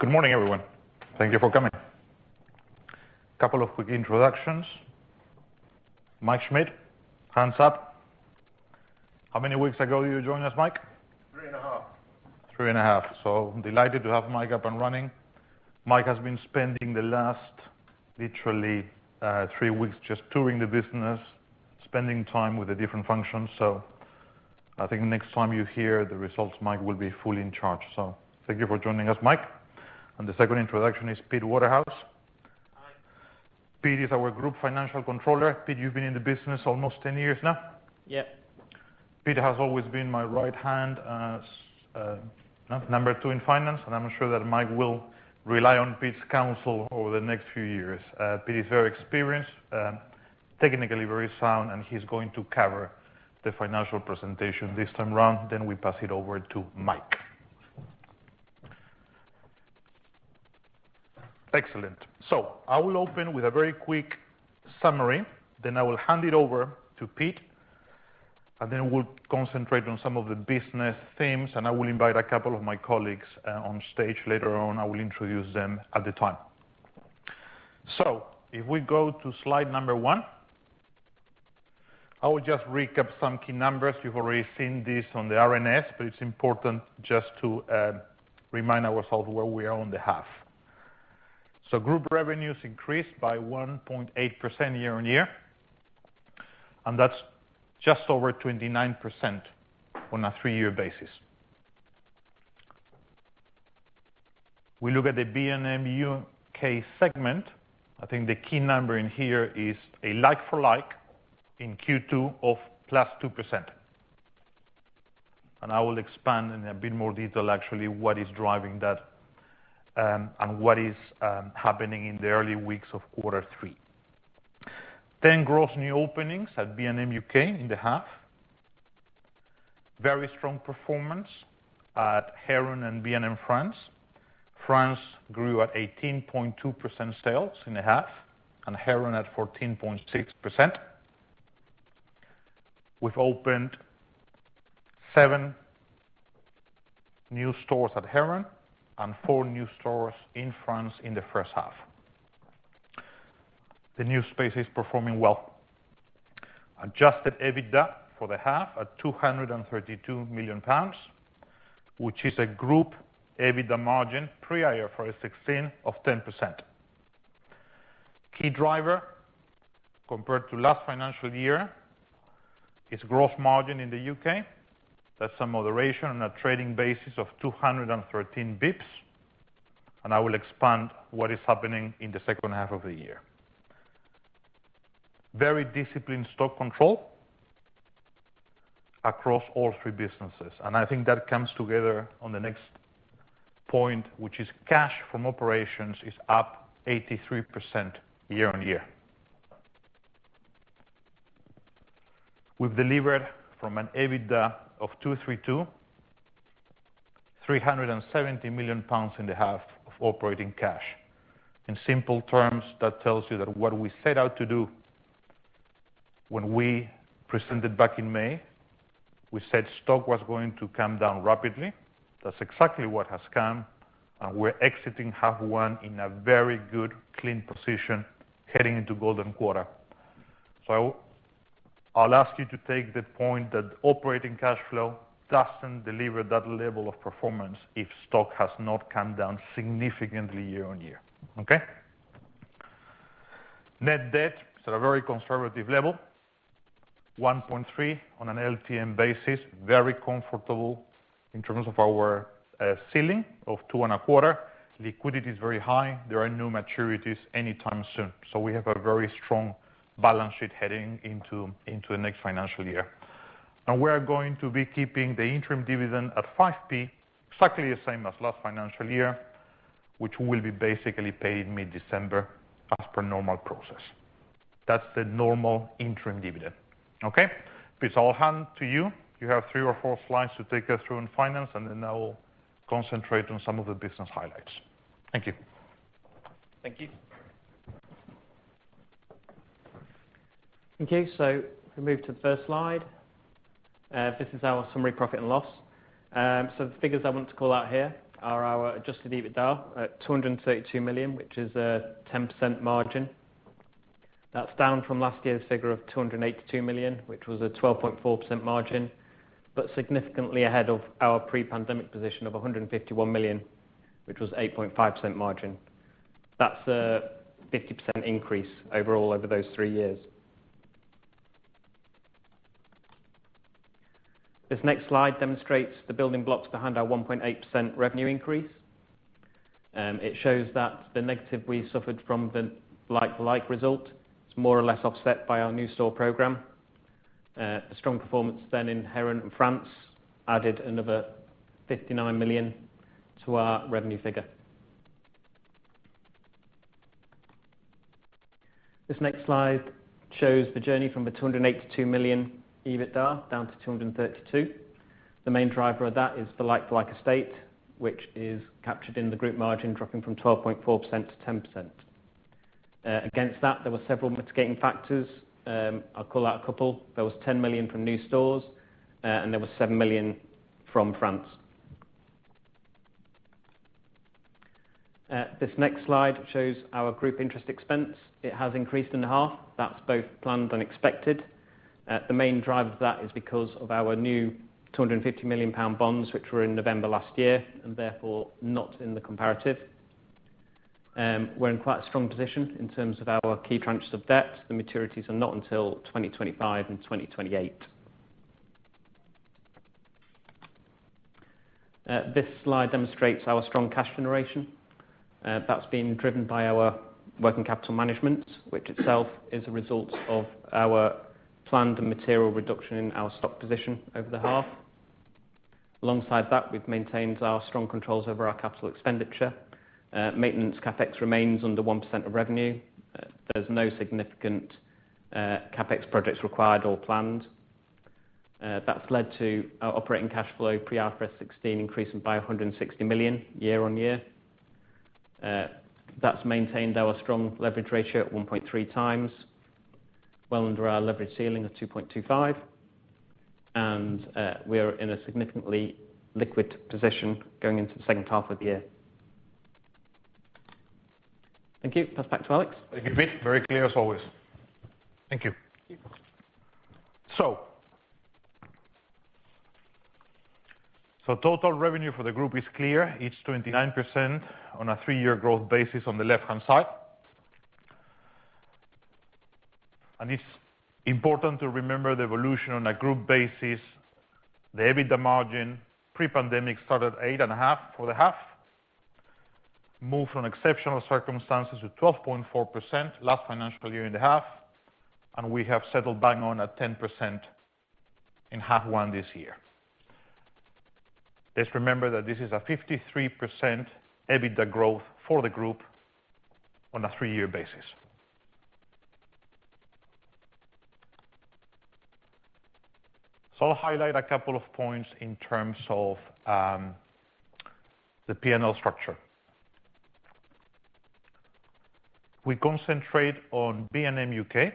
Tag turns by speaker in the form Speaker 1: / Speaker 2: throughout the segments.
Speaker 1: Good morning, everyone. Thank you for coming. Couple of quick introductions. Mike Schmidt, hands up. How many weeks ago you joined us, Mike?
Speaker 2: Three and a half.
Speaker 1: Three and a half. Delighted to have Mike up and running. Mike has been spending the last literally, three weeks just touring the business, spending time with the different functions. I think next time you hear the results, Mike will be fully in charge. Thank you for joining us, Mike. The second introduction is Peter Waterhouse.
Speaker 3: Hi.
Speaker 1: Pete is our Group Financial Controller. Pete, you've been in the business almost 10 years now?
Speaker 3: Yep.
Speaker 1: Pete has always been my right hand as number two in finance, and I'm sure that Mike will rely on Pete's counsel over the next few years. Pete is very experienced, technically very sound, and he's going to cover the financial presentation this time around, then we pass it over to Mike. Excellent. I will open with a very quick summary, then I will hand it over to Pete, and then we'll concentrate on some of the business themes, and I will invite a couple of my colleagues on stage later on. I will introduce them at the time. If we go to slide number one, I will just recap some key numbers. You've already seen this on the RNS, but it's important just to remind ourselves where we are on the half. Group revenues increased by 1.8% year-on-year, and that's just over 29% on a three-year basis. We look at the B&M U.K. segment. I think the key number in here is a like-for-like in Q2 of +2%. I will expand in a bit more detail, actually, what is driving that, and what is happening in the early weeks of quarter three. 10 gross new openings at B&M U.K. in the half. Very strong performance at Heron and B&M France. France grew at 18.2% sales in the half, and Heron at 14.6%. We've opened seven new stores at Heron and four new stores in France in the first half. The new space is performing well. Adjusted EBITDA for the half at 232 million pounds, which is a group EBITDA margin pre-IFRS 16 of 10%. Key driver compared to last financial year is growth margin in the U.K. That's some moderation on a trading basis of 213 basis points, and I will expand what is happening in the second half of the year. Very disciplined stock control across all three businesses, and I think that comes together on the next point, which is cash from operations is up 83% year-on-year. We've delivered from an EBITDA of 232, 370 million pounds in the half of operating cash. In simple terms, that tells you that what we set out to do when we presented back in May, we said stock was going to come down rapidly. That's exactly what has come, and we're exiting half one in a very good, clean position heading into golden quarter. I'll ask you to take the point that operating cash flow doesn't deliver that level of performance if stock has not come down significantly year-on-year. Okay? Net debt is at a very conservative level, 1.3 on an LTM basis, very comfortable in terms of our ceiling of 2.25. Liquidity is very high. There are no maturities anytime soon. We have a very strong balance sheet heading into the next financial year. Now we are going to be keeping the interim dividend at 5p, exactly the same as last financial year, which will be basically paid mid-December as per normal process. That's the normal interim dividend. Okay? Pete, I'll hand to you. You have three or four slides to take us through in finance, and then I will concentrate on some of the business highlights. Thank you.
Speaker 3: Thank you. Okay, if we move to the first slide, this is our summary profit and loss. The figures I want to call out here are our adjusted EBITDA at 232 million, which is a 10% margin. That's down from last year's figure of 282 million, which was a 12.4% margin, but significantly ahead of our pre-pandemic position of 151 million, which was 8.5% margin. That's a 50% increase overall over those three years. This next slide demonstrates the building blocks behind our 1.8% revenue increase. It shows that the negative we suffered from the like-for-like result is more or less offset by our new store program. A strong performance then in Heron and France added another 59 million to our revenue figure. This next slide shows the journey from 282 million EBITDA down to 232 million. The main driver of that is the like-for-like estate, which is captured in the group margin dropping from 12.4%-10%. Against that, there were several mitigating factors. I'll call out a couple. There was 10 million from new stores, and there was 7 million from France. This next slide shows our group interest expense. It has increased in half. That's both planned and expected. The main driver of that is because of our new 250 million pound bonds, which were in November last year, and therefore not in the comparative. We're in quite a strong position in terms of our key tranches of debt. The maturities are not until 2025 and 2028. This slide demonstrates our strong cash generation. That's been driven by our working capital management, which itself is a result of our planned and material reduction in our stock position over the half. Alongside that, we've maintained our strong controls over our capital expenditure. Maintenance CapEx remains under 1% of revenue. There's no significant CapEx projects required or planned. That's led to our operating cash flow pre-IFRS 16 increasing by 160 million year-on-year. That's maintained our strong leverage ratio at 1.3x, well under our leverage ceiling of 2.25. We are in a significantly liquid position going into the second half of the year. Thank you. Pass back to Alex.
Speaker 1: Thank you, Pete. Very clear as always. Thank you.
Speaker 3: Thank you.
Speaker 1: Total revenue for the group is clear. It's 29% on a three-year growth basis on the left-hand side. It's important to remember the evolution on a group basis. The EBITDA margin pre-pandemic started 8.5% for the half, moved from exceptional circumstances to 12.4% last financial year in the half, and we have settled back on a 10% in half one this year. Just remember that this is a 53% EBITDA growth for the group on a three-year basis. I'll highlight a couple of points in terms of the P&L structure. We concentrate on B&M U.K.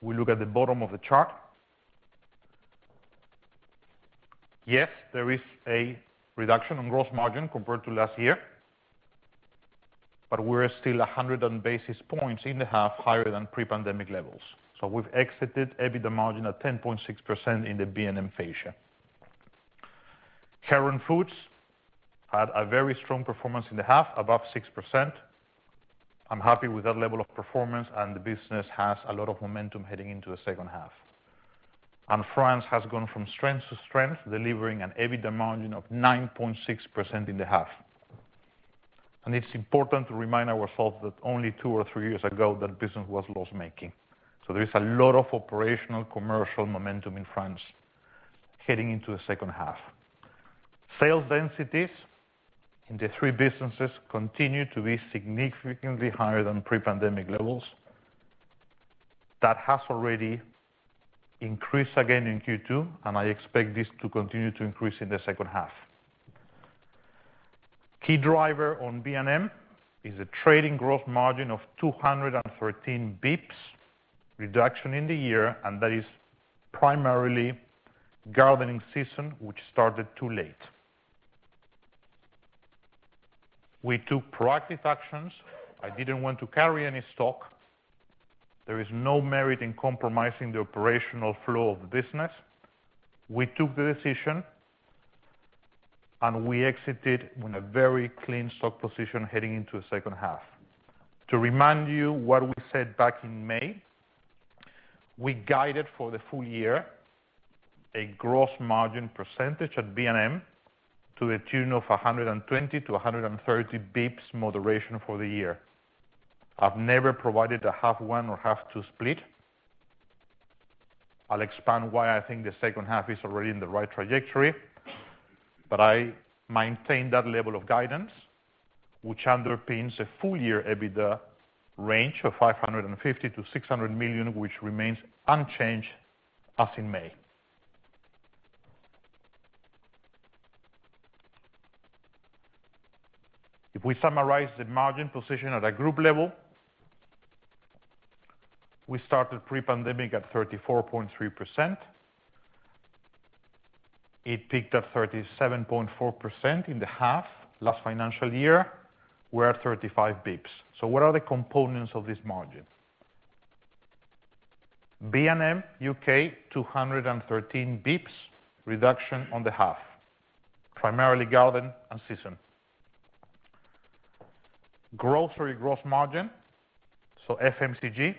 Speaker 1: We look at the bottom of the chart. Yes, there is a reduction in gross margin compared to last year, but we're still 100 basis points in the half higher than pre-pandemic levels. We've exited EBITDA margin at 10.6% in the B&M fascia. Heron Foods had a very strong performance in the half, above 6%. I'm happy with that level of performance, and the business has a lot of momentum heading into the second half. France has gone from strength to strength, delivering an EBITDA margin of 9.6% in the half. It's important to remind ourselves that only two or three years ago, that business was loss-making. There is a lot of operational commercial momentum in France heading into the second half. Sales densities in the three businesses continue to be significantly higher than pre-pandemic levels. That has already increased again in Q2, and I expect this to continue to increase in the second half. Key driver on B&M is a trading growth margin of 213 basis points reduction in the year, and that is primarily gardening season, which started too late. We took proactive actions. I didn't want to carry any stock. There is no merit in compromising the operational flow of the business. We took the decision, and we exited in a very clean stock position heading into the second half. To remind you what we said back in May, we guided for the full year a gross margin percentage at B&M to a tune of 120-130 basis points moderation for the year. I've never provided a half one or half two split. I'll expand why I think the second half is already in the right trajectory, but I maintain that level of guidance, which underpins a full-year EBITDA range of 550 million-600 million, which remains unchanged as in May. If we summarize the margin position at a group level, we started pre-pandemic at 34.3%. It peaked at 37.4% in the half. Last financial year, we're at 35 basis points. What are the components of this margin? B&M U.K., 213 basis points reduction on the half, primarily garden and season. Grocery gross margin, so FMCG,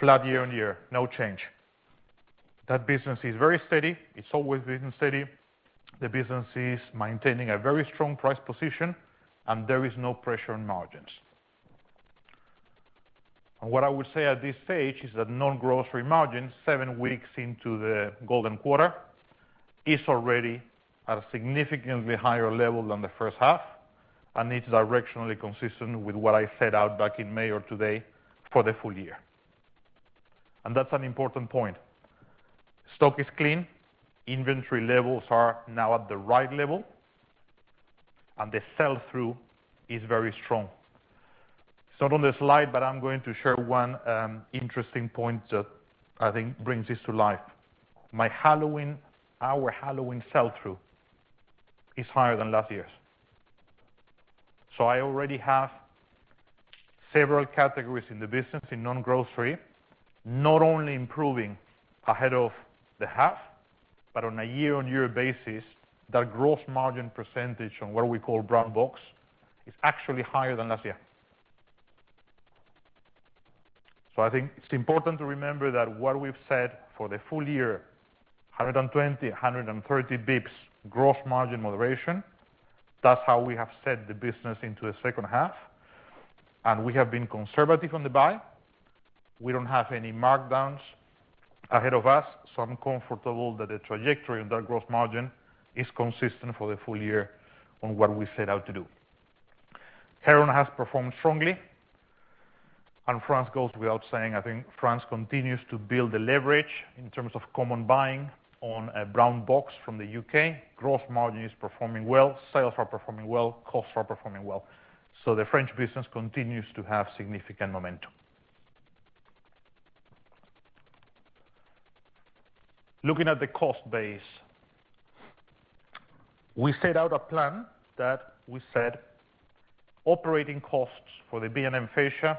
Speaker 1: flat year-on-year, no change. That business is very steady. It's always been steady. The business is maintaining a very strong price position, and there is no pressure on margins. What I would say at this stage is that non-grocery margins, seven weeks into the golden quarter, is already at a significantly higher level than the first half, and it's directionally consistent with what I set out back in May or today for the full year. That's an important point. Stock is clean, inventory levels are now at the right level, and the sell-through is very strong. It's not on the slide, but I'm going to share one interesting point that I think brings this to life. My Halloween, our Halloween sell-through is higher than last year's. I already have several categories in the business in non-grocery, not only improving ahead of the half, but on a year-on-year basis, that gross margin percentage on what we call brown box is actually higher than last year. I think it's important to remember that what we've said for the full year, 120-130 basis points gross margin moderation. That's how we have set the business into the second half. We have been conservative on the buy. We don't have any markdowns ahead of us, so I'm comfortable that the trajectory on that gross margin is consistent for the full year on what we set out to do. Heron has performed strongly and France goes without saying. I think France continues to build the leverage in terms of common buying on a brown box from the U.K. Gross margin is performing well, sales are performing well, costs are performing well. The French business continues to have significant momentum. Looking at the cost base. We set out a plan that we said operating costs for the B&M fascia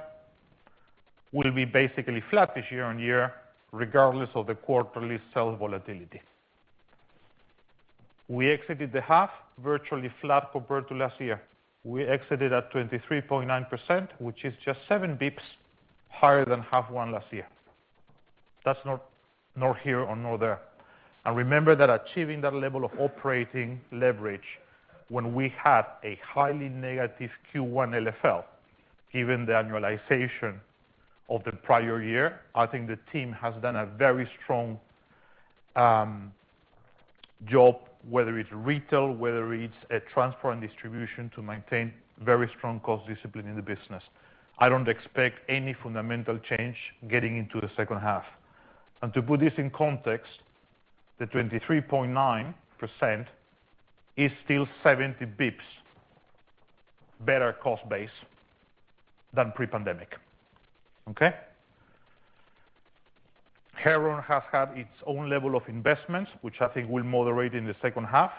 Speaker 1: will be basically flat this year-on-year regardless of the quarterly sales volatility. We exited the half virtually flat compared to last year. We exited at 23.9%, which is just 7 basis points higher than half one last year. That's neither here nor there. Remember that achieving that level of operating leverage when we had a highly negative Q1 LFL, given the annualization of the prior year, I think the team has done a very strong job, whether it's retail, whether it's a transfer and distribution to maintain very strong cost discipline in the business. I don't expect any fundamental change getting into the second half. To put this in context, the 23.9% is still 70 basis points better cost base than pre-pandemic. Okay? Heron has had its own level of investments, which I think will moderate in the second half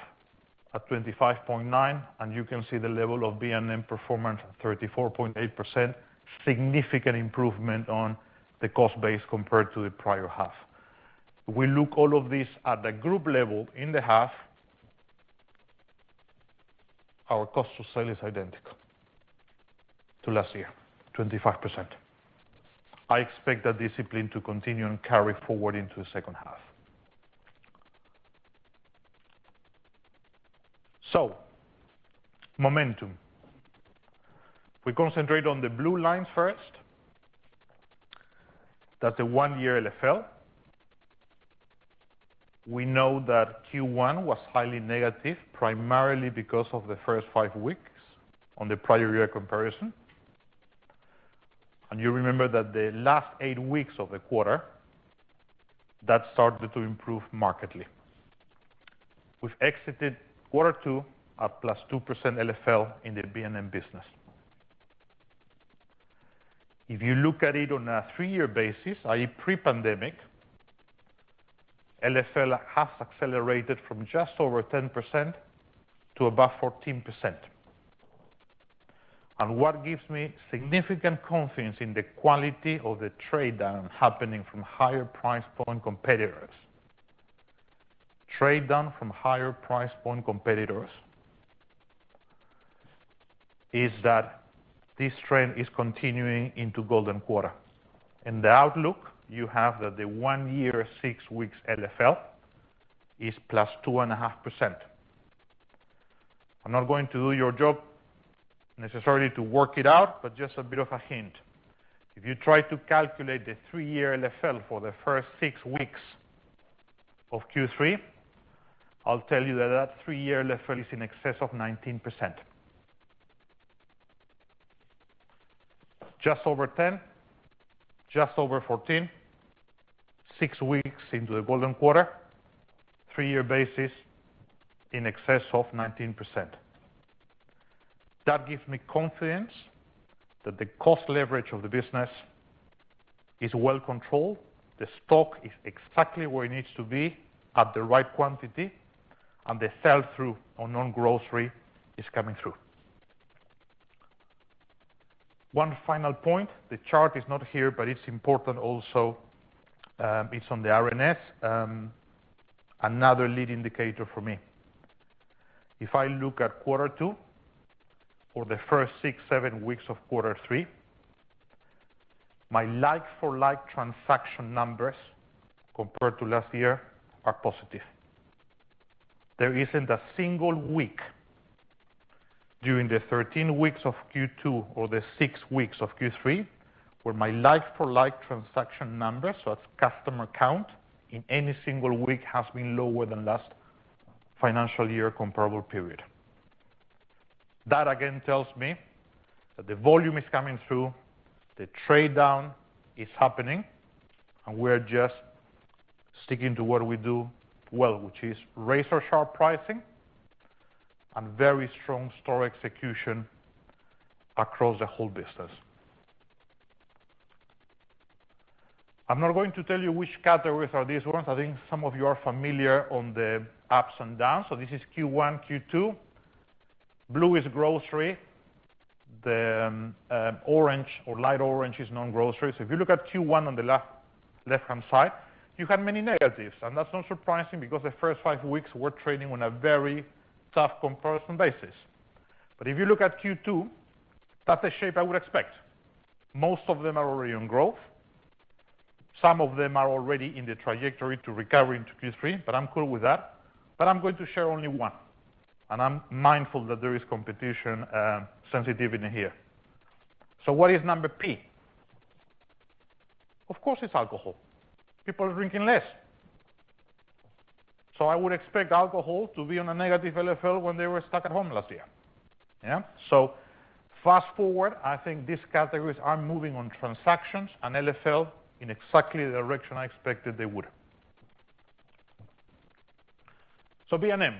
Speaker 1: at 25.9, and you can see the level of B&M performance at 34.8%. Significant improvement on the cost base compared to the prior half. We look all of this at the group level in the half, our cost to sell is identical to last year, 25%. I expect that discipline to continue and carry forward into the second half. Momentum. We concentrate on the blue line first. That's the one-year LFL. We know that Q1 was highly negative, primarily because of the first five weeks on the prior year comparison. You remember that the last eight weeks of the quarter, that started to improve markedly. We've exited quarter two at +2% LFL in the B&M business. If you look at it on a three-year basis, i.e., pre-pandemic, LFL has accelerated from just over 10% to above 14%. What gives me significant confidence in the quality of the trade down happening from higher price point competitors. Trade down from higher price point competitors is that this trend is continuing into golden quarter. In the outlook, you have that the one-year, six weeks LFL is +2.5%. I'm not going to do your job necessarily to work it out, but just a bit of a hint. If you try to calculate the three-year LFL for the first six weeks of Q3, I'll tell you that that three-year LFL is in excess of 19%. Just over 10, just over 14, six weeks into the golden quarter, three-year basis in excess of 19%. That gives me confidence that the cost leverage of the business is well controlled, the stock is exactly where it needs to be at the right quantity, and the sell-through on non-grocery is coming through. One final point. The chart is not here, but it's important also, it's on the RNS, another lead indicator for me. If I look at quarter two for the first six, seven weeks of quarter three, my like-for-like transaction numbers compared to last year are positive. There isn't a single week during the 13 weeks of Q2 or the six weeks of Q3, where my like-for-like transaction numbers, so that's customer count, in any single week has been lower than last financial year comparable period. That again tells me that the volume is coming through, the trade down is happening, and we're just sticking to what we do well, which is razor-sharp pricing and very strong store execution across the whole business. I'm not going to tell you which categories are these ones. I think some of you are familiar on the ups and downs. This is Q1, Q2. Blue is grocery. The orange or light orange is non-grocery. If you look at Q1 on the left-hand side, you have many negatives, and that's not surprising because the first five weeks we're trading on a very tough comparison basis. If you look at Q2, that's the shape I would expect. Most of them are already on growth. Some of them are already in the trajectory to recover into Q3, but I'm cool with that. I'm going to share only one, and I'm mindful that there is competition, sensitivity here. What is number P? Of course, it's alcohol. People are drinking less. I would expect alcohol to be on a negative LFL when they were stuck at home last year. Yeah. Fast-forward, I think these categories are moving on transactions and LFL in exactly the direction I expected they would. B&M,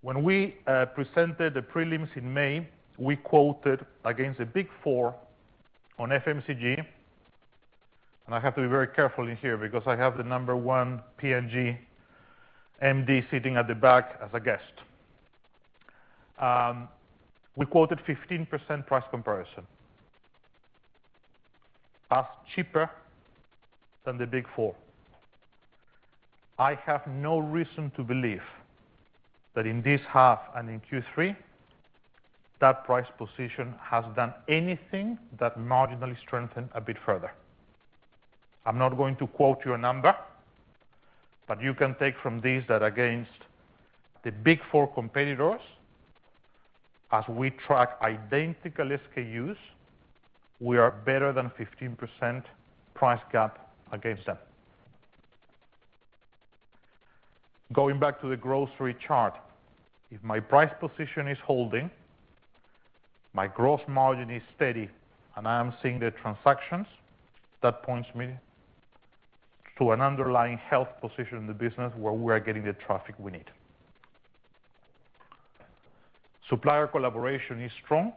Speaker 1: when we presented the prelims in May, we quoted against the Big Four on FMCG. I have to be very careful in here because I have the number one P&G MD sitting at the back as a guest. We quoted 15% price comparison. That's cheaper than the Big Four. I have no reason to believe that in this half and in Q3, that price position has done anything but marginally strengthened a bit further. I'm not going to quote you a number, but you can take from these that against the Big Four competitors, as we track identical SKUs, we are better than 15% price gap against them. Going back to the grocery chart, if my price position is holding, my gross margin is steady, and I am seeing the transactions, that points me to an underlying health position in the business where we are getting the traffic we need. Supplier collaboration is strong.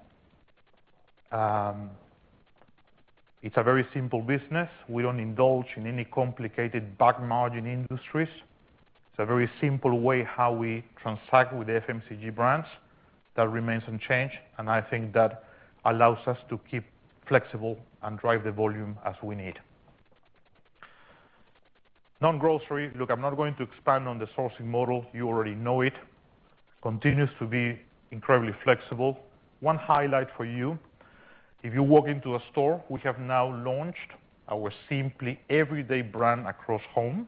Speaker 1: It's a very simple business. We don't indulge in any complicated back margin industries. It's a very simple way how we transact with the FMCG brands. That remains unchanged, and I think that allows us to keep flexible and drive the volume as we need. Non-grocery, look, I'm not going to expand on the sourcing model. You already know it. Continues to be incredibly flexible. One highlight for you, if you walk into a store, we have now launched our Simply Everyday brand across home.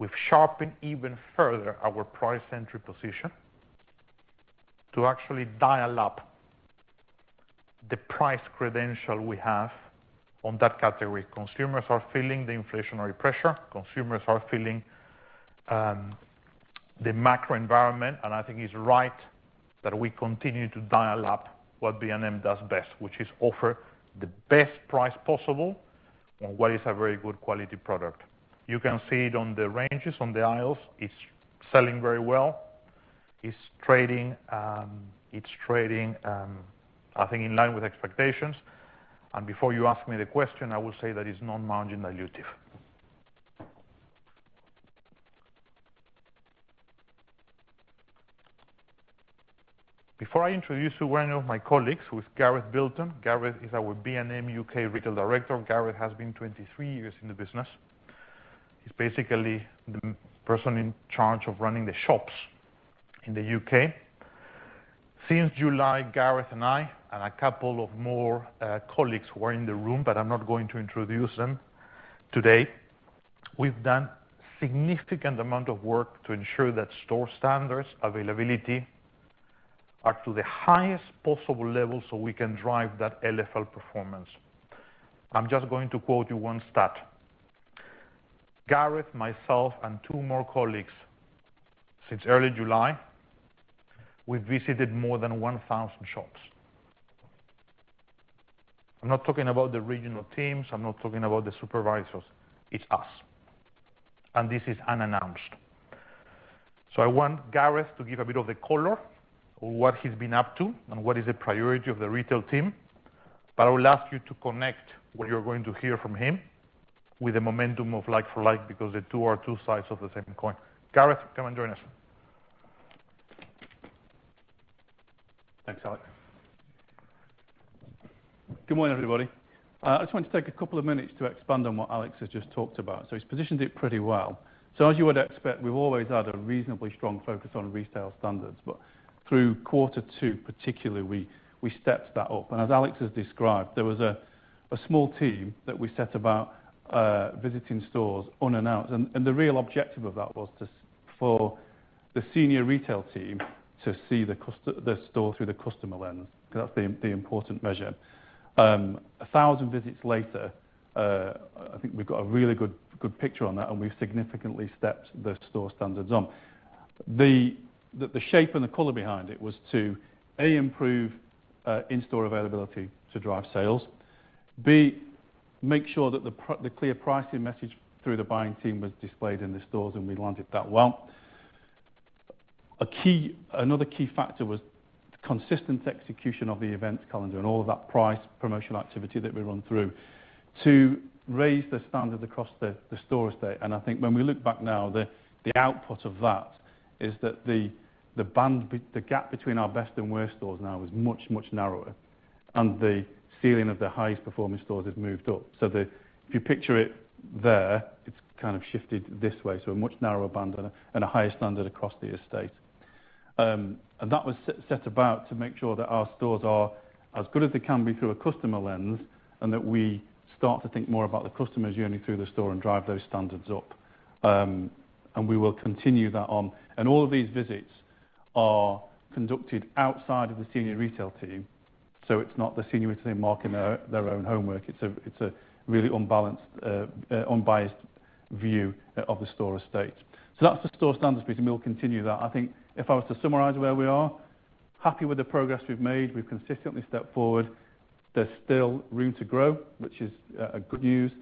Speaker 1: We've sharpened even further our price entry position to actually dial up the price credential we have on that category. Consumers are feeling the inflationary pressure. Consumers are feeling the macro environment, and I think it's right that we continue to dial up what B&M does best, which is offer the best price possible on what is a very good quality product. You can see it on the ranges, on the aisles. It's selling very well. It's trading, I think in line with expectations. Before you ask me the question, I will say that it's non-margin dilutive. Before I introduce you to one of my colleagues, who is Gareth Bilton. Gareth is our B&M U.K. Retail Director. Gareth has been 23 years in the business. He's basically the person in charge of running the shops in the U.K. Since July, Gareth and I, and a couple of more, colleagues who are in the room, but I'm not going to introduce them today, we've done significant amount of work to ensure that store standards, availability are to the highest possible level so we can drive that LFL performance. I'm just going to quote you one stat. Gareth, myself, and two more colleagues, since early July, we've visited more than 1,000 shops. I'm not talking about the regional teams. I'm not talking about the supervisors. It's us. This is unannounced. I want Gareth to give a bit of the color on what he's been up to and what is the priority of the retail team. I will ask you to connect what you're going to hear from him with the momentum of like-for-like, because the two are two sides of the same coin. Gareth, come and join us.
Speaker 4: Thanks, Alex. Good morning, everybody. I just want to take a couple of minutes to expand on what Alex has just talked about. He's positioned it pretty well. As you would expect, we've always had a reasonably strong focus on retail standards, but through quarter two particularly, we stepped that up. As Alex has described, there was a small team that we set about visiting stores unannounced. The real objective of that was just for the senior retail team to see the store through the customer lens, 'cause that's the important measure. A thousand visits later, I think we've got a really good picture on that, and we've significantly stepped the store standards up. The shape and the color behind it was to, A, improve in-store availability to drive sales. B, make sure that the clear pricing message through the buying team was displayed in the stores, and we launched it that well. Another key factor was consistent execution of the events calendar and all of that price promotional activity that we run through to raise the standard across the store estate. I think when we look back now, the output of that is that the gap between our best and worst stores now is much narrower, and the ceiling of the highest performing stores has moved up. If you picture it there, it's kind of shifted this way, so a much narrower band and a higher standard across the estate. That was set about to make sure that our stores are as good as they can be through a customer lens and that we start to think more about the customer's journey through the store and drive those standards up. We will continue that on. All of these visits are conducted outside of the senior retail team, so it's not the senior retail marking their own homework. It's a really unbiased view of the store estate. That's the store standards piece, and we'll continue that. I think if I was to summarize where we are, happy with the progress we've made. We've consistently stepped forward. There's still room to grow, which is good news,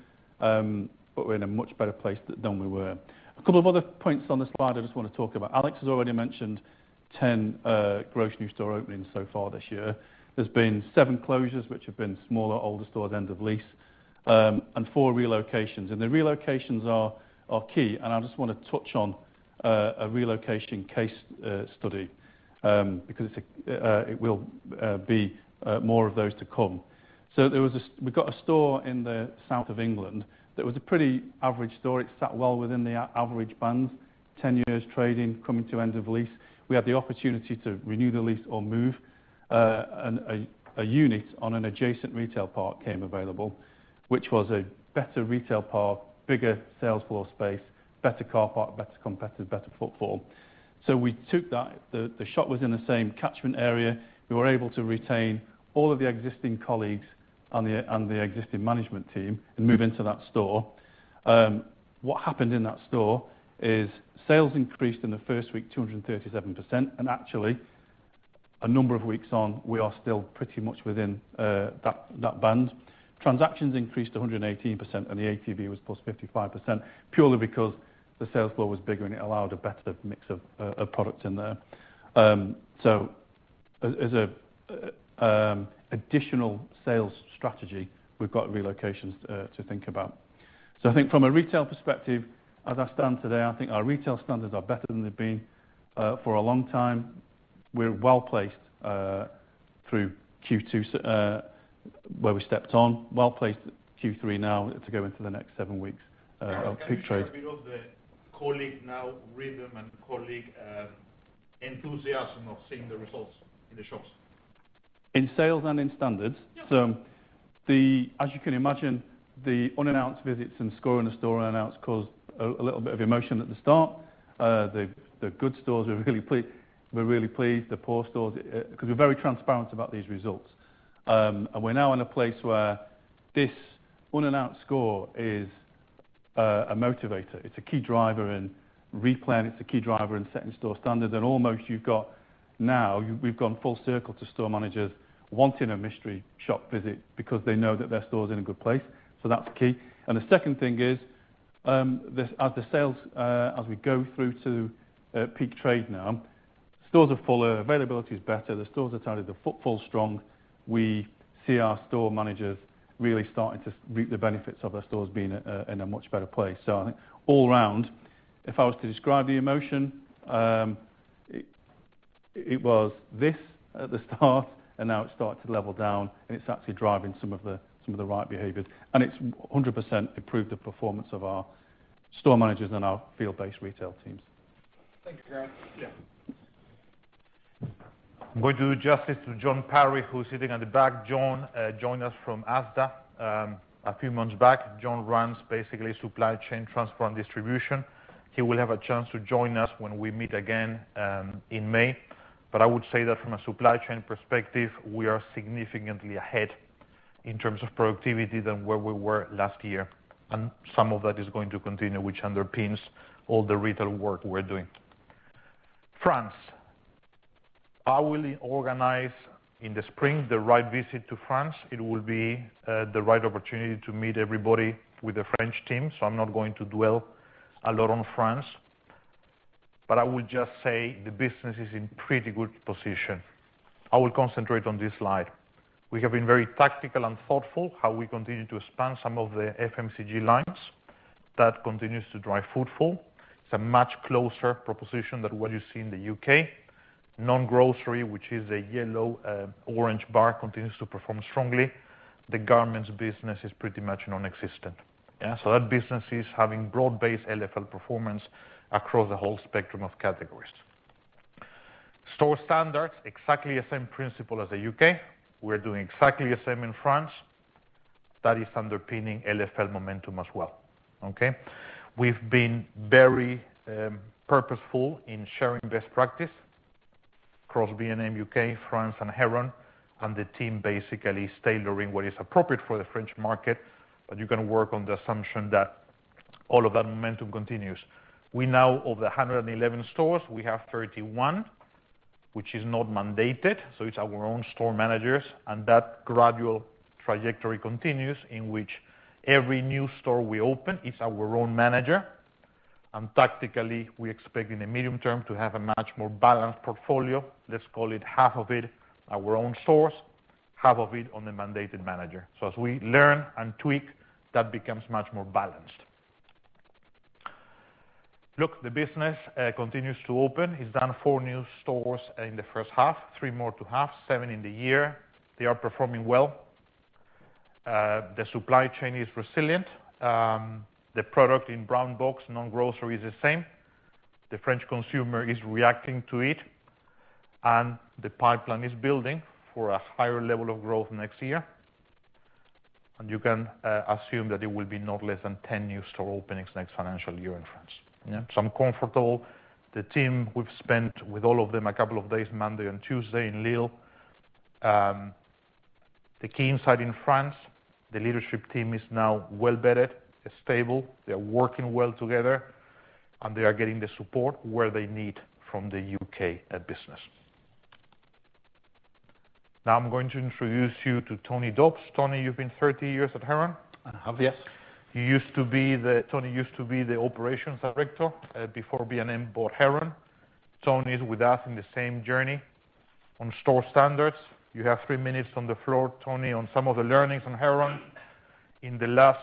Speaker 4: but we're in a much better place than we were. A couple of other points on the slide I just want to talk about. Alex has already mentioned 10 gross new store openings so far this year. There's been seven closures, which have been smaller, older stores, end of lease, and four relocations. The relocations are key. I just wanna touch on a relocation case study, because it will be more of those to come. There was this. We've got a store in the South of England that was a pretty average store. It sat well within the average band, 10 years trading, coming to end of lease. We had the opportunity to renew the lease or move, and a unit on an adjacent retail park came available, which was a better retail park, bigger sales floor space, better car park, better competitor, better footfall. We took that. The shop was in the same catchment area. We were able to retain all of the existing colleagues and the existing management team and move into that store. What happened in that store is sales increased in the first week 237%. Actually, a number of weeks on, we are still pretty much within that band. Transactions increased 118%, and the ATV was +55%, purely because the sales floor was bigger, and it allowed a better mix of products in there. As a additional sales strategy, we've got relocations to think about. I think from a retail perspective, as I stand today, I think our retail standards are better than they've been for a long time. We're well placed through Q2, well placed Q3 now to go into the next seven weeks of peak trade.
Speaker 1: Can you share a bit of the colleagues' new rhythm and colleagues' enthusiasm of seeing the results in the shops?
Speaker 4: In sales and in standards?
Speaker 1: Yeah.
Speaker 4: As you can imagine, the unannounced visits and score in the store unannounced caused a little bit of emotion at the start. The good stores were really pleased. The poor stores, 'cause we're very transparent about these results. We're now in a place where this unannounced score is a motivator. It's a key driver in replan, it's a key driver in setting store standards, and almost now we've gone full circle to store managers wanting a mystery shop visit because they know that their store's in a good place. That's key. The second thing is, at the sales, as we go through to peak trade now, stores are fuller, availability is better, the stores are tidier, the footfall's strong. We see our store managers really starting to reap the benefits of their stores being in a much better place. I think all around, if I was to describe the emotion, it was this at the start, and now it's started to level down, and it's actually driving some of the right behaviors. It's 100% improved the performance of our store managers and our field-based retail teams.
Speaker 1: Thank you, Gareth.
Speaker 4: Yeah.
Speaker 1: We do justice to Jon Parry, who's sitting at the back. Jon joined us from Asda a few months back. Jon runs basically supply chain, transport, and distribution. He will have a chance to join us when we meet again in May. I would say that from a supply chain perspective, we are significantly ahead in terms of productivity than where we were last year. Some of that is going to continue, which underpins all the retail work we're doing. France. I will organize in the spring the right visit to France. It will be the right opportunity to meet everybody with the French team, so I'm not going to dwell a lot on France. I would just say the business is in pretty good position. I will concentrate on this slide. We have been very tactical and thoughtful how we continue to expand some of the FMCG lines. That continues to drive footfall. It's a much closer proposition than what you see in the U.K. Non-grocery, which is a yellow, orange bar, continues to perform strongly. The garments business is pretty much nonexistent. Yeah, so that business is having broad-based LFL performance across the whole spectrum of categories. Store standards, exactly the same principle as the U.K. We're doing exactly the same in France. That is underpinning LFL momentum as well, okay? We've been very purposeful in sharing best practice across B&M U.K., France, and Heron, and the team basically is tailoring what is appropriate for the French market, but you're going to work on the assumption that all of that momentum continues. We now, of the 111 stores, we have 31, which is not mandated, so it's our own store managers. That gradual trajectory continues in which every new store we open is our own manager. Tactically, we expect in the medium term to have a much more balanced portfolio. Let's call it half of it our own stores, half of it on the mandated manager. As we learn and tweak, that becomes much more balanced. Look, the business continues to open. It's done four new stores in the first half, three more to have, seven in the year. They are performing well. The supply chain is resilient. The product in brown box, non-grocery is the same. The French consumer is reacting to it and the pipeline is building for a higher level of growth next year. You can assume that it will be not less than 10 new store openings next financial year in France. You know, so I'm comfortable. The team, we've spent with all of them a couple of days, Monday and Tuesday in Lille. The key insight in France, the leadership team is now well-bedded, they're stable, they're working well together, and they are getting the support where they need from the U.K. business. Now I'm going to introduce you to Tony Dobbs. Tony, you've been 30 years at Heron.
Speaker 5: I have, yes.
Speaker 1: Tony used to be the operations director before B&M bought Heron. Tony is with us in the same journey on store standards. You have three minutes on the floor, Tony, on some of the learnings on Heron in the last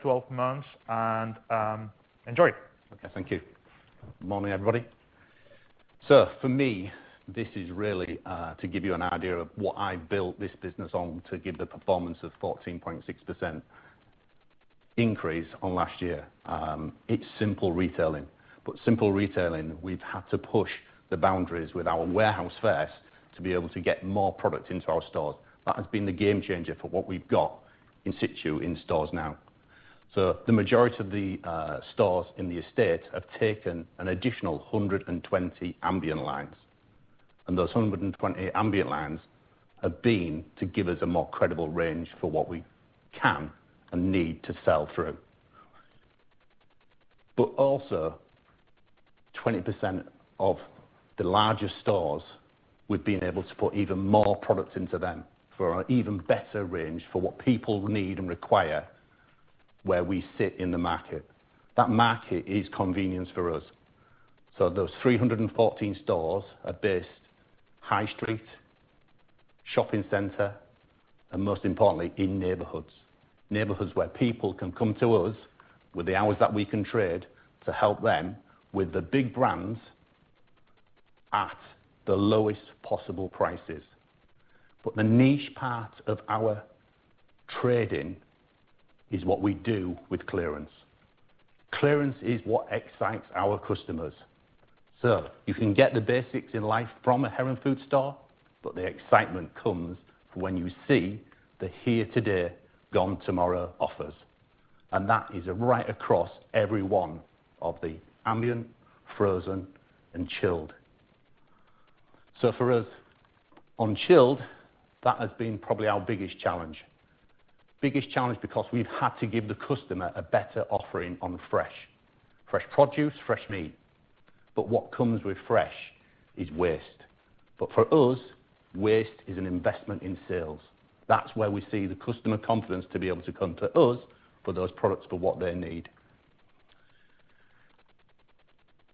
Speaker 1: 12 months and enjoy.
Speaker 5: Okay. Thank you. Morning, everybody. For me, this is really to give you an idea of what I built this business on to give the performance of 14.6% increase on last year. It's simple retailing. Simple retailing, we've had to push the boundaries with our warehouse first to be able to get more product into our stores. That has been the game changer for what we've got in situ in stores now. The majority of the stores in the estate have taken an additional 120 ambient lines. Those 120 ambient lines have been to give us a more credible range for what we can and need to sell through. Also, 20% of the larger stores, we've been able to put even more products into them for an even better range for what people need and require where we sit in the market. That market is convenience for us. Those 314 stores are based High Street, shopping center, and most importantly, in neighborhoods. Neighborhoods where people can come to us with the hours that we can trade to help them with the big brands at the lowest possible prices. The niche part of our trading is what we do with clearance. Clearance is what excites our customers. You can get the basics in life from a Heron Foods store, but the excitement comes when you see the here today, gone tomorrow offers. That is right across every one of the ambient, frozen, and chilled. For us on chilled, that has been probably our biggest challenge. Biggest challenge because we've had to give the customer a better offering on fresh. Fresh produce, fresh meat. What comes with fresh is waste. For us, waste is an investment in sales. That's where we see the customer confidence to be able to come to us for those products for what they need.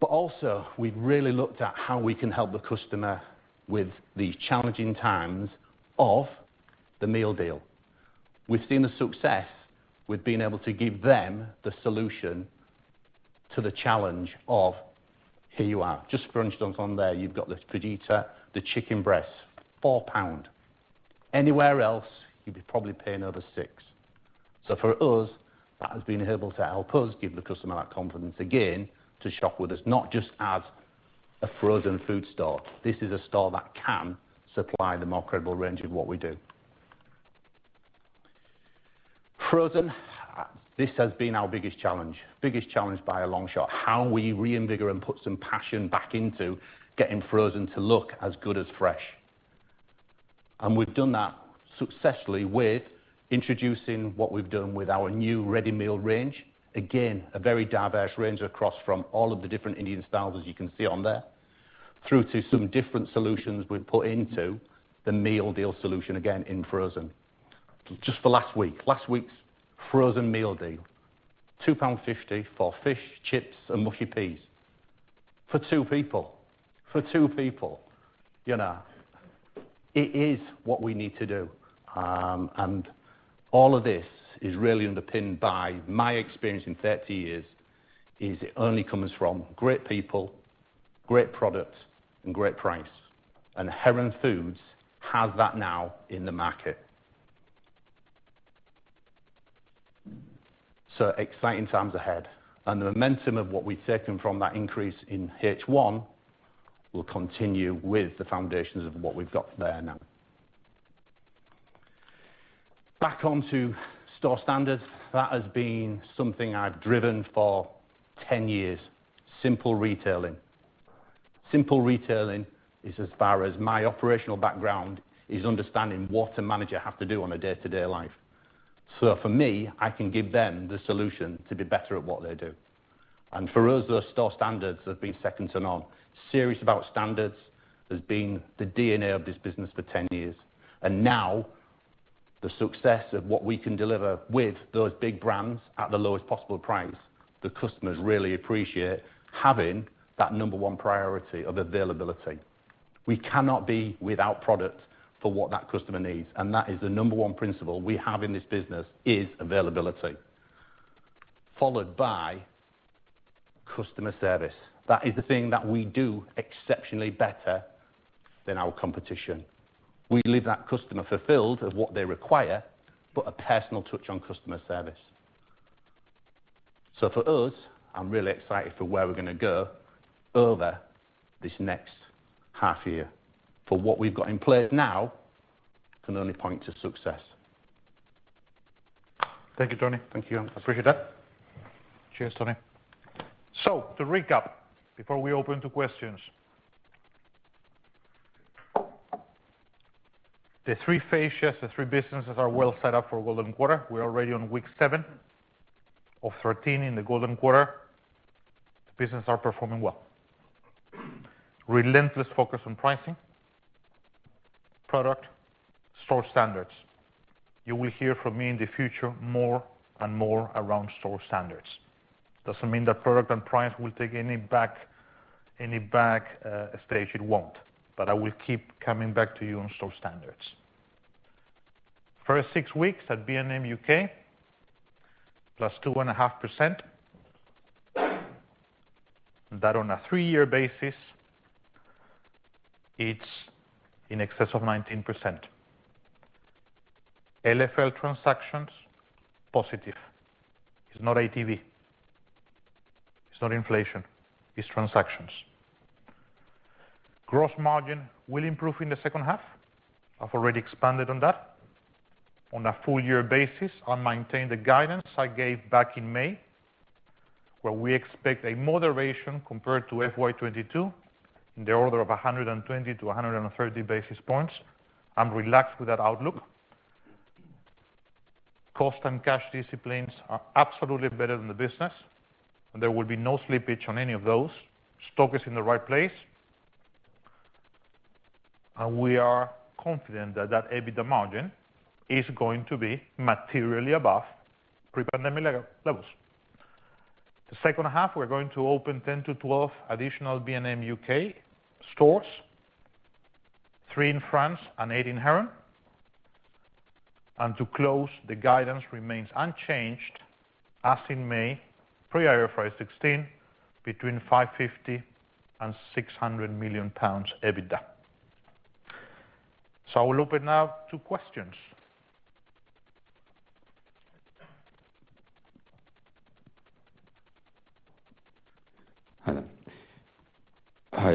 Speaker 5: Also, we've really looked at how we can help the customer with these challenging times of the meal deal. We've seen the success. We've been able to give them the solution to the challenge of, here you are, just scrunch down on there. You've got this fajita, the chicken breast, 4 pound. Anywhere else, you'd be probably paying over 6. For us, that has been able to help us give the customer that confidence again to shop with us, not just as a frozen food store. This is a store that can supply the more credible range of what we do. Frozen, this has been our biggest challenge. Biggest challenge by a long shot. How we reinvigorate and put some passion back into getting frozen to look as good as fresh. We've done that successfully with introducing what we've done with our new ready meal range. Again, a very diverse range across from all of the different Indian styles, as you can see on there, through to some different solutions we've put into the meal deal solution again in frozen. Just for last week. Last week's frozen meal deal, 2.50 pound for fish, chips, and mushy peas for two people. For two people. You know, it is what we need to do. All of this is really underpinned by my experience in 30 years, it only comes from great people, great products, and great price. Heron Foods has that now in the market. Exciting times ahead. The momentum of what we've taken from that increase in H1 will continue with the foundations of what we've got there now. Back onto store standards, that has been something I've driven for 10 years. Simple retailing. Simple retailing is as far as my operational background is understanding what a manager have to do on a day-to-day life. For me, I can give them the solution to be better at what they do. For us, those store standards have been second to none. Serious about standards has been the DNA of this business for 10 years. Now the success of what we can deliver with those big brands at the lowest possible price, the customers really appreciate having that number one priority of availability. We cannot be without product for what that customer needs, and that is the number one principle we have in this business, is availability, followed by customer service. That is the thing that we do exceptionally better than our competition. We leave that customer fulfilled of what they require, but a personal touch on customer service. For us, I'm really excited for where we're gonna go over this next half year. For what we've got in place now can only point to success.
Speaker 1: Thank you, Tony. Thank you. I appreciate that. Cheers, Tony. To recap before we open to questions. The three fascias, the three businesses are well set up for golden quarter. We're already on week seven of 13 in the golden quarter. The business are performing well. Relentless focus on pricing, product, store standards. You will hear from me in the future more and more around store standards. Doesn't mean that product and price will take a backseat, it won't. I will keep coming back to you on store standards. First six weeks at B&M U.K., +2.5%. That on a three-year basis, it's in excess of 19%. LFL transactions, positive. It's not ATV, it's not inflation, it's transactions. Gross margin will improve in the second half. I've already expanded on that. On a full year basis, I maintain the guidance I gave back in May, where we expect a moderation compared to FY 2022 in the order of 120-130 basis points. I'm relaxed with that outlook. Cost and cash disciplines are absolutely better than the business, and there will be no slippage on any of those. Stock is in the right place. We are confident that that EBITDA margin is going to be materially above pre-pandemic levels. The second half, we're going to open 10-12 additional B&M U.K. stores, three in France and eight in Heron. To close, the guidance remains unchanged as in May, pre-IFRS 16, between GBP 550 million-GBP 600 million EBITDA. I will open now to questions.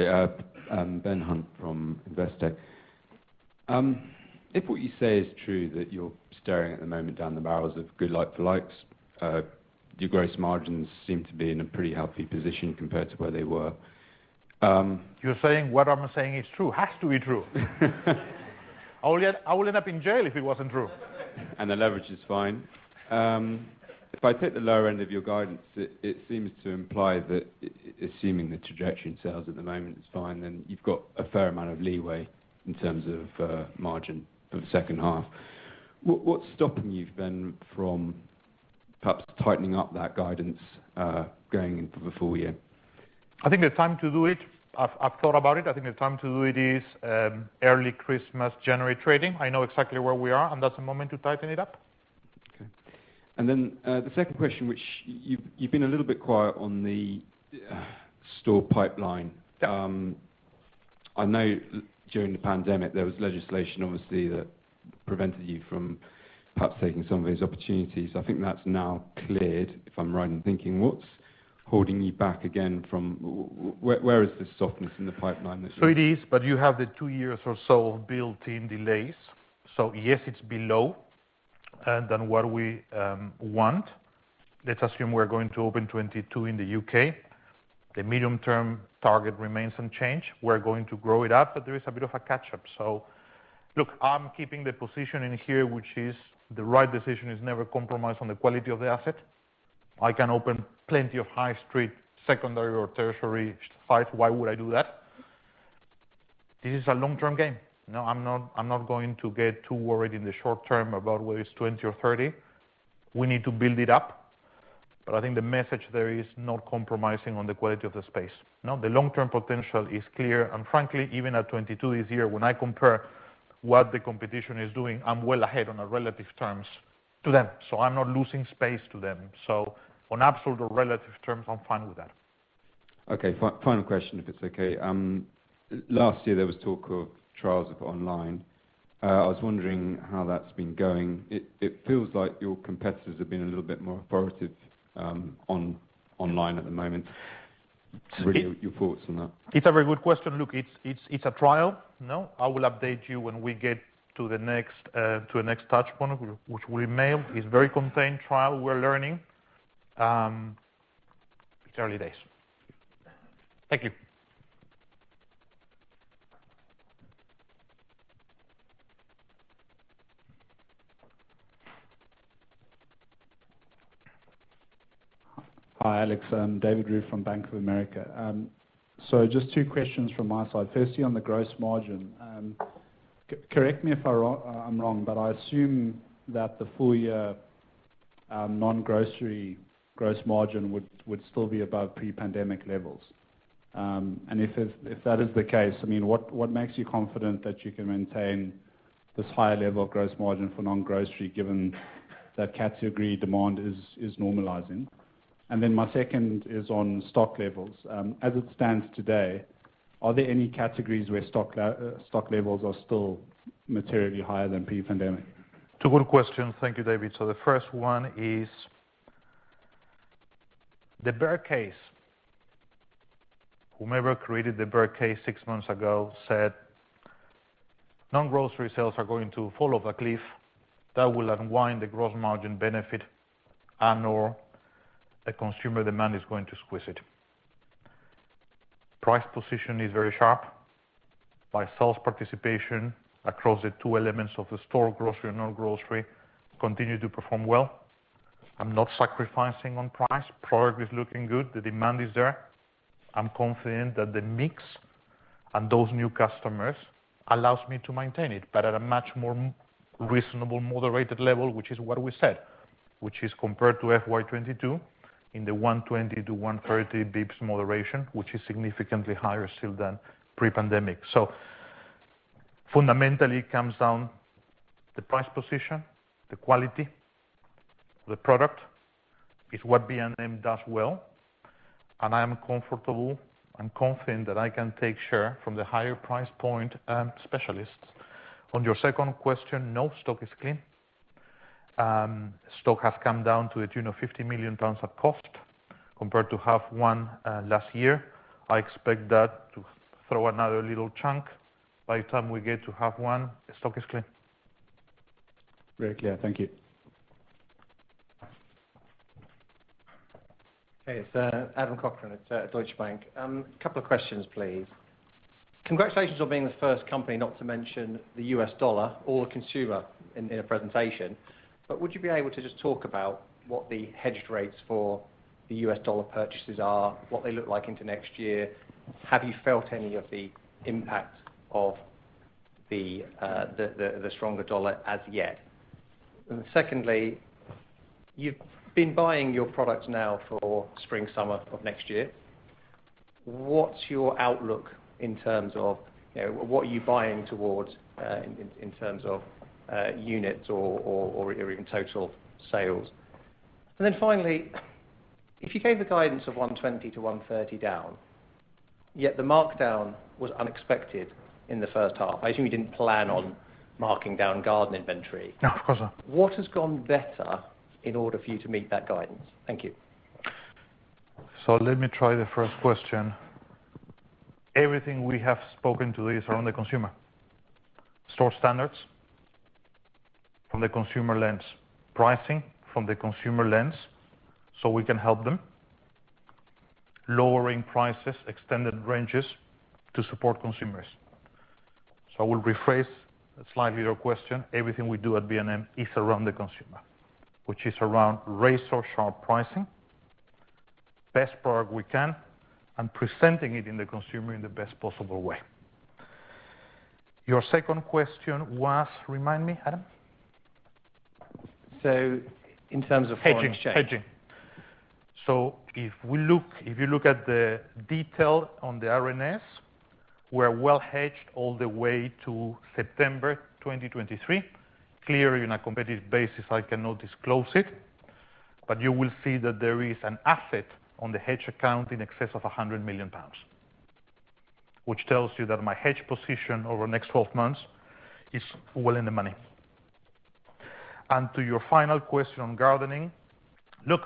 Speaker 6: Hello. Hi, Ben Hunt from Investec. If what you say is true, that you're staring at the moment down the barrels of good like-for-likes, your gross margins seem to be in a pretty healthy position compared to where they were.
Speaker 1: You're saying what I'm saying is true. Has to be true. I will end up in jail if it wasn't true.
Speaker 6: The leverage is fine. If I take the lower end of your guidance, it seems to imply that assuming the trajectory in sales at the moment is fine, then you've got a fair amount of leeway in terms of margin for the second half. What's stopping you then from perhaps tightening up that guidance going into the full year?
Speaker 1: I think the time to do it, I've thought about it. I think the time to do it is early Christmas, January trading. I know exactly where we are, and that's the moment to tighten it up.
Speaker 6: Okay, the second question, which you've been a little bit quiet on the store pipeline. I know during the pandemic, there was legislation obviously that prevented you from perhaps taking some of these opportunities. I think that's now cleared, if I'm right in thinking. What's holding you back again from where is the softness in the pipeline this year?
Speaker 1: It is, but you have the two years or so of built-in delays. Yes, it's below than what we want. Let's assume we're going to open 22 in the U.K. The medium-term target remains unchanged. We're going to grow it up, but there is a bit of a catch up. Look, I'm keeping the position in here, which is the right decision is never compromise on the quality of the asset. I can open plenty of high street, secondary or tertiary sites. Why would I do that? This is a long-term game. No, I'm not going to get too worried in the short term about whether it's 20 or 30. We need to build it up. I think the message there is not compromising on the quality of the space. No, the long-term potential is clear. Frankly, even at 22 this year, when I compare what the competition is doing, I'm well ahead on a relative terms to them, so I'm not losing space to them. On absolute or relative terms, I'm fine with that.
Speaker 6: Okay. Final question, if it's okay. Last year, there was talk of trials of online. I was wondering how that's been going. It feels like your competitors have been a little bit more authoritative, online at the moment. Read your thoughts on that.
Speaker 1: It's a very good question. Look, it's a trial, you know. I will update you when we get to the next touchpoint, which we may. It's very contained trial. We're learning. It's early days. Thank you.
Speaker 7: Hi, Alex. I'm David Roux from Bank of America. So just two questions from my side. Firstly, on the gross margin, correct me if I'm wrong, but I assume that the full year non-grocery gross margin would still be above pre-pandemic levels. If that is the case, I mean, what makes you confident that you can maintain this high level of gross margin for non-grocery given that category demand is normalizing? My second is on stock levels. As it stands today, are there any categories where stock levels are still materially higher than pre-pandemic?
Speaker 1: Two good questions. Thank you, David. The first one is the bear case. Whoever created the bear case six months ago said, non-grocery sales are going to fall off a cliff that will unwind the gross margin benefit and/or the consumer demand is going to squeeze it. Price position is very sharp. My sales participation across the two elements of the store, grocery and non-grocery, continue to perform well. I'm not sacrificing on price. Product is looking good, the demand is there. I'm confident that the mix and those new customers allows me to maintain it, but at a much more reasonable, moderated level, which is what we said, which is compared to FY 2022 in the 120-130 basis points moderation, which is significantly higher still than pre-pandemic. Fundamentally, it comes down to the price position, the quality, the product is what B&M does well, and I am comfortable and confident that I can take share from the higher price point and specialists. On your second question, no stock is clean. Stock has come down to a tune of 50 million of cost compared to half one last year. I expect that to throw another little chunk. By the time we get to half one, the stock is clean.
Speaker 7: Great. Yeah. Thank you.
Speaker 8: Hey, it's Adam Cochrane at Deutsche Bank. A couple of questions, please. Congratulations on being the first company not to mention the US dollar or the consumer in a presentation. Would you be able to just talk about what the hedged rates for the US dollar purchases are, what they look like into next year? Have you felt any of the impact of the stronger dollar as yet? And secondly, you've been buying your products now for spring, summer of next year. What's your outlook in terms of, you know, what are you buying towards, in terms of units or even total sales? And then finally, if you gave the guidance of 120 to 130 down, yet the markdown was unexpected in the first half. I assume you didn't plan on marking down garden inventory.
Speaker 1: No, of course not.
Speaker 8: What has gone better in order for you to meet that guidance? Thank you.
Speaker 1: Let me try the first question. Everything we have spoken to is around the consumer. Store standards from the consumer lens, pricing from the consumer lens, so we can help them. Lowering prices, extended ranges to support consumers. I will rephrase slightly your question. Everything we do at B&M is around the consumer, which is around razor-sharp pricing, best product we can, and presenting it to the consumer in the best possible way. Your second question was, remind me, Adam.
Speaker 8: In terms of foreign hedging.
Speaker 1: Hedging. If you look at the detail on the RNS, we're well hedged all the way to September 2023. Clearly, on a competitive basis, I cannot disclose it, but you will see that there is an asset on the hedge account in excess of 100 million pounds, which tells you that my hedge position over the next 12 months is well in the money. To your final question on gardening, look,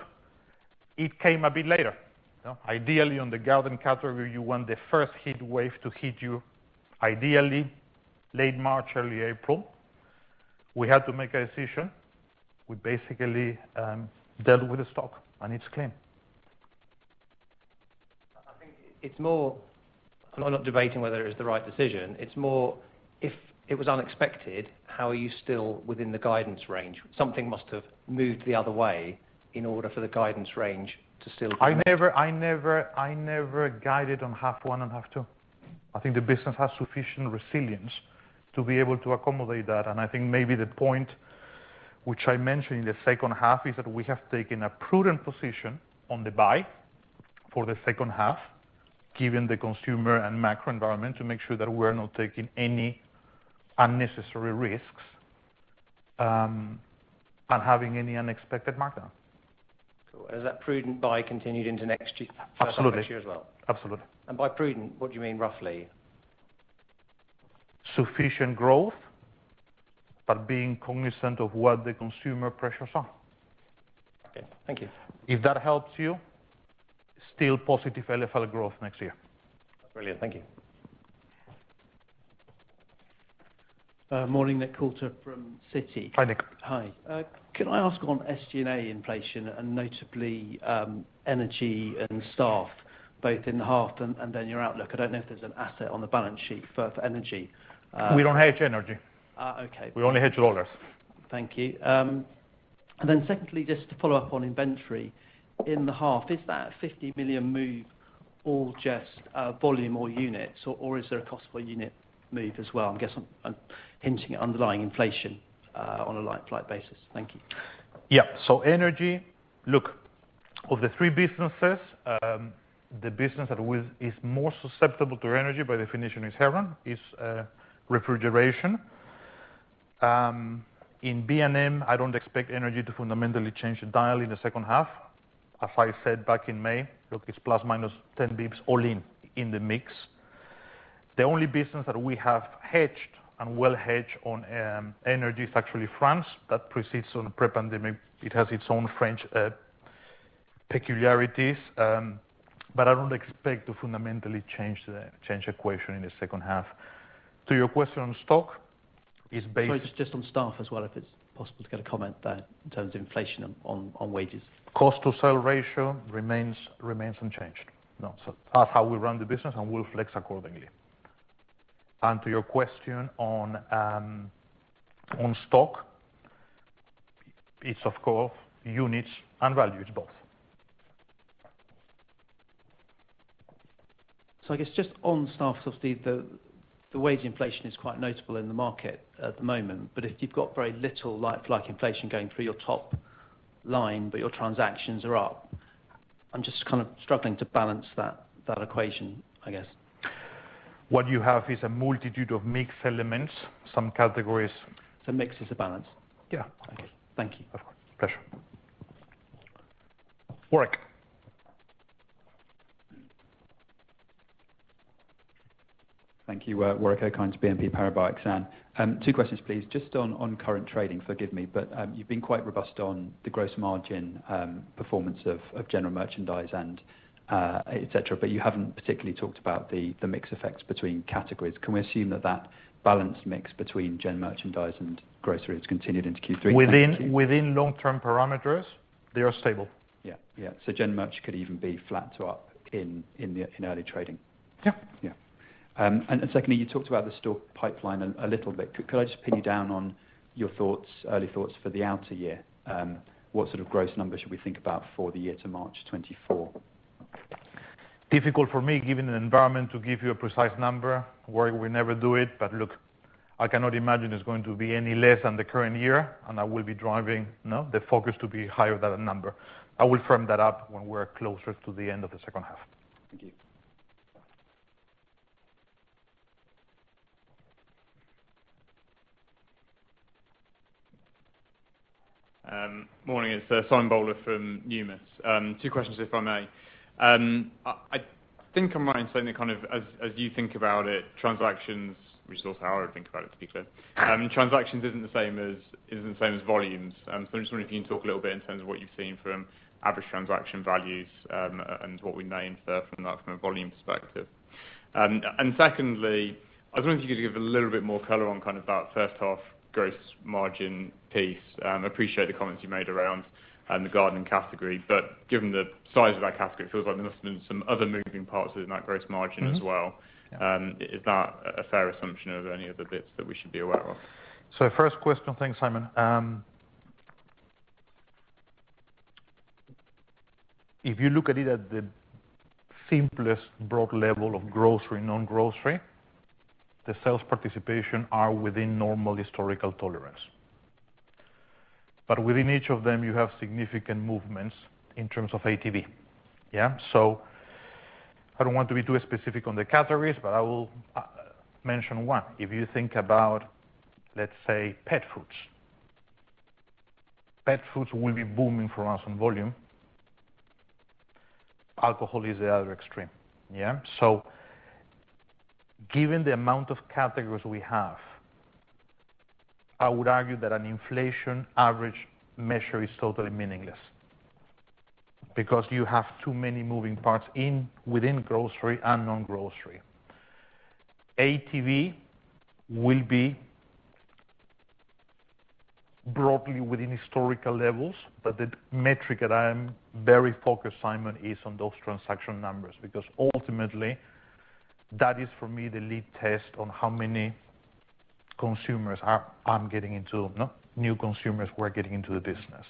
Speaker 1: it came a bit later. Ideally, on the garden category, you want the first heat wave to hit you, ideally late March, early April. We had to make a decision. We basically dealt with the stock and it's clean.
Speaker 8: I think it's more. I'm not debating whether it's the right decision. It's more if it was unexpected, how are you still within the guidance range? Something must have moved the other way in order for the guidance range to still be.
Speaker 1: I never guided on half one and half two. I think the business has sufficient resilience to be able to accommodate that. I think maybe the point which I mentioned in the second half is that we have taken a prudent position on the buy for the second half, given the consumer and macro environment, to make sure that we're not taking any unnecessary risks, and having any unexpected markdown.
Speaker 8: Is that prudent buy continued into next year?
Speaker 1: Absolutely.
Speaker 8: As well?
Speaker 1: Absolutely.
Speaker 8: By prudent, what do you mean roughly?
Speaker 1: Sufficient growth, but being cognizant of what the consumer pressures are.
Speaker 8: Okay. Thank you.
Speaker 1: If that helps you, still positive LFL growth next year.
Speaker 8: Brilliant. Thank you.
Speaker 9: Morning. Nick Coulter from Citi.
Speaker 1: Hi, Nick.
Speaker 9: Hi. Can I ask on SG&A inflation and notably, energy and staff, both in the half and then your outlook? I don't know if there's an asset on the balance sheet for energy.
Speaker 1: We don't hedge energy.
Speaker 9: Okay.
Speaker 1: We only hedge dollars.
Speaker 9: Thank you. Secondly, just to follow up on inventory. In the half, is that a 50 million move or just volume or units or is there a cost per unit move as well? I'm guessing and hinting at underlying inflation on a like-for-like basis. Thank you.
Speaker 1: Energy, look, of the three businesses, the business that is more susceptible to energy by definition is Heron, refrigeration. In B&M, I don't expect energy to fundamentally change the dial in the second half. As I said back in May, look, it's ±10 basis points all in the mix. The only business that we have hedged and well hedged on energy is actually France. That predates the pandemic. It has its own French peculiarities, but I don't expect to fundamentally change the equation in the second half. To your question on stock.
Speaker 9: Just on staff as well if it's possible to get a comment there in terms of inflation on wages?
Speaker 1: Cost to sales ratio remains unchanged. That's how we run the business, and we'll flex accordingly. To your question on stock, it's of course units and values both.
Speaker 9: I guess just on staff, Alex, the wage inflation is quite notable in the market at the moment. If you've got very little like-for-like inflation going through your top line, but your transactions are up, I'm just kind of struggling to balance that equation, I guess.
Speaker 1: What you have is a multitude of mix elements, some categories.
Speaker 9: The mix is a balance.
Speaker 1: Yeah.
Speaker 9: Thank you. Thank you.
Speaker 1: Of course. Pleasure. Warwick.
Speaker 10: Thank you. Warwick Okines, BNP Paribas. Two questions, please. Just on current trading. Forgive me, but you've been quite robust on the gross margin performance of general merchandise and et cetera, but you haven't particularly talked about the mix effects between categories. Can we assume that balance mix between general merchandise and grocery has continued into Q3?
Speaker 1: Within long-term parameters, they are stable.
Speaker 10: Yeah. General merch could even be flat to up in early trading.
Speaker 1: Yeah.
Speaker 10: Secondly, you talked about the store pipeline a little bit. Could I just pin you down on your thoughts, early thoughts for the outer year? What sort of gross numbers should we think about for the year to March 2024?
Speaker 1: Difficult for me given the environment to give you a precise number. Warwick would never do it. Look, I cannot imagine it's going to be any less than the current year, and I will be driving, you know, the focus to be higher than a number. I will firm that up when we're closer to the end of the second half.
Speaker 10: Thank you.
Speaker 11: Morning. It's Simon Bowler from Numis. Two questions, if I may. I think I'm right in saying that kind of as you think about it, transactions, which is also how I would think about it, to be clear, transactions isn't the same as volumes. So I'm just wondering if you can talk a little bit in terms of what you've seen from average transaction values, and what we may infer from that from a volume perspective. And secondly, I was wondering if you could give a little bit more color on kind of that first half gross margin piece. I appreciate the comments you made around the garden category. Given the size of that category, it feels like there must have been some other moving parts within that gross margin as well.
Speaker 1: Mm-hmm. Yeah.
Speaker 11: Is that a fair assumption of any of the bits that we should be aware of?
Speaker 1: First question. Thanks, Simon. If you look at it at the simplest broad level of grocery, non-grocery, the sales participation are within normal historical tolerance. But within each of them, you have significant movements in terms of ATV. Yeah? I don't want to be too specific on the categories, but I will mention one. If you think about, let's say, pet foods. Pet foods will be booming for us in volume. Alcohol is the other extreme. Yeah? Given the amount of categories we have, I would argue that an inflation average measure is totally meaningless because you have too many moving parts in, within grocery and non-grocery. ATV will be broadly within historical levels, but the metric that I am very focused, Simon, is on those transaction numbers. Because ultimately, that is for me the lead test on how many consumers are, I'm getting into, you know, new consumers we're getting into the business.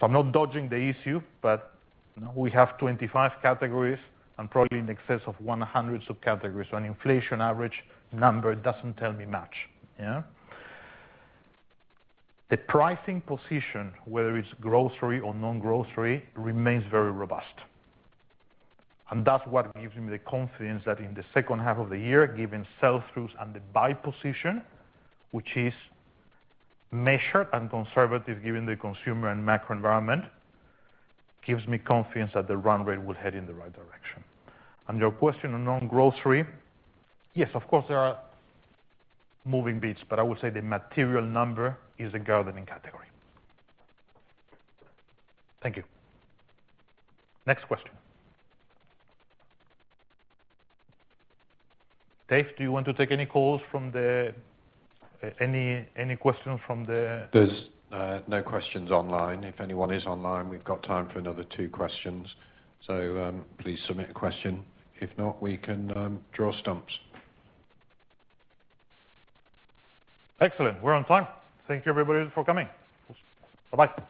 Speaker 1: I'm not dodging the issue, but, you know, we have 25 categories and probably in excess of 100 sub-categories. An inflation average number doesn't tell me much. Yeah? The pricing position, whether it's grocery or non-grocery, remains very robust. That's what gives me the confidence that in the second half of the year, given sell-throughs and the buy position, which is measured and conservative given the consumer and macro environment, gives me confidence that the run rate will head in the right direction. On your question on non-grocery, yes, of course, there are moving bits. I would say the material number is the gardening category. Thank you. Next question. Dave, do you want to take any calls from the. Any questions from the?
Speaker 12: There's no questions online. If anyone is online, we've got time for another two questions. Please submit a question. If not, we can draw stumps.
Speaker 1: Excellent. We're on time. Thank you everybody for coming. Bye-bye.